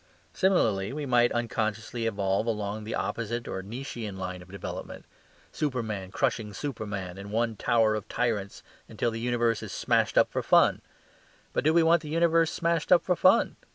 Similarly, we might unconsciously evolve along the opposite or Nietzschian line of development superman crushing superman in one tower of tyrants until the universe is smashed up for fun. But do we want the universe smashed up for fun?